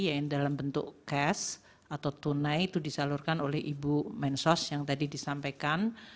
yang dalam bentuk cash atau tunai itu disalurkan oleh ibu mensos yang tadi disampaikan